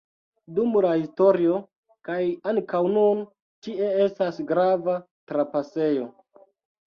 Dum la historio, kaj ankaŭ nun tie estas grava trapasejo.